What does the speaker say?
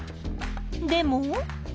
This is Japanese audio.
でも。